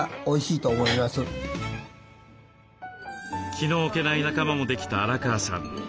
気の置けない仲間もできた荒川さん。